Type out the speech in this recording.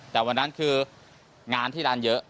แต่วันนั้นคืองานที่ร้านเยอะ